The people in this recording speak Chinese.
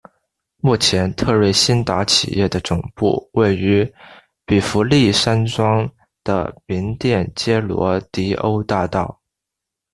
目前特瑞新达企业的总部位于比佛利山庄的名店街罗迪欧大道。